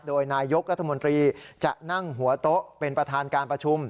โดยนายกรัฐมนตรีจะนั่งหัวโต๊ะเป็นประธานการประชุม